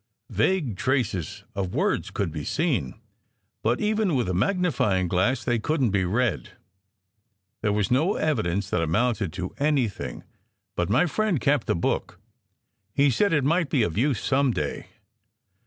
Vague traces of words could be seen, but even with a magnifying glass they couldn t be read. There was no evidence that amounted to anything, but my friend kept the book. He said it might be of use some day.